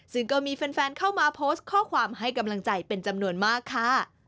ซึ่งก็มีแฟนเข้ามาโพสต์ข้อความให้กำลังใจเป็นจำนวนมากค่ะ